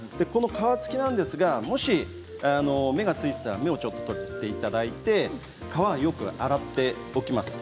皮付きですがもし芽がついていたら芽を取っていただいて皮はよく洗っておきます。